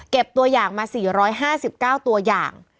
ตัวอย่างมา๔๕๙ตัวอย่าง